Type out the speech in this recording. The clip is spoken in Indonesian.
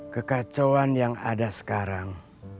kekacauan yang ada sekarang